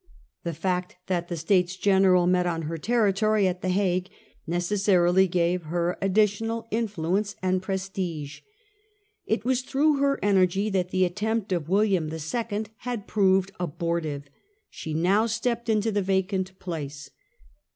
The fact that the States General met on her territory — at the Hague— necessarily gave her additional influence and prestige. It was through her energy that the attempt of William II. had proved abortive. She now stepped into the vacant place.